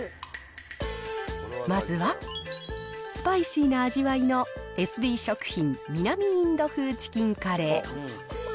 まずは、スパイシーな味わいの、エスビー食品南インド風チキンカレー。